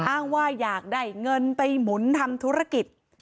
อ้างว่าอยากได้เงินไปหมุนทำธุรกิจ